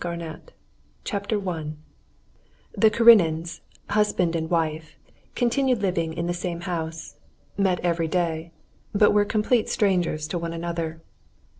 PART FOUR Chapter 1 The Karenins, husband and wife, continued living in the same house, met every day, but were complete strangers to one another.